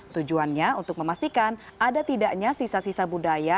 tujuannya untuk memastikan ada tidaknya sisa sisa budaya